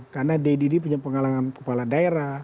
karena deddy d punya pengalangan kepala daerah